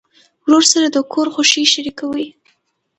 ورور سره د کور خوښۍ شریکوي.